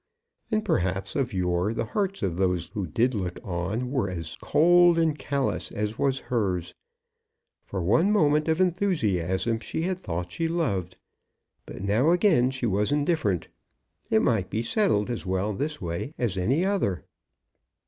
And perhaps of yore the hearts of those who did look on were as cold and callous as was hers. For one moment of enthusiasm she had thought she loved, but now again she was indifferent. It might be settled as well this way as any other.